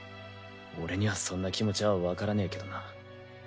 俺にはそんな気持ちはわからねえけどな。